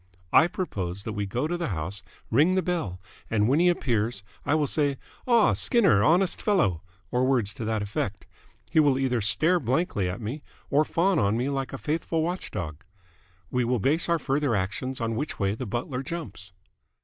I propose that we go to the house, ring the bell, and when he appears, I will say 'Ah, Skinner! Honest fellow!' or words to that effect. He will either stare blankly at me or fawn on me like a faithful watchdog. We will base our further actions on which way the butler jumps."